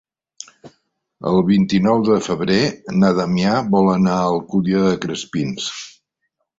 El vint-i-nou de febrer na Damià vol anar a l'Alcúdia de Crespins.